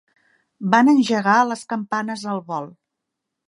Van engegar les campanes al vol.